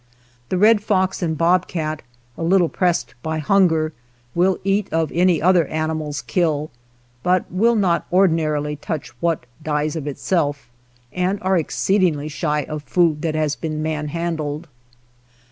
The red fox and bobcat, a little pressed by hunger, will eat of any other animal's kill, but will not ordinarily touch what dies of itself, and are exceedingly shy of food that has been man handled.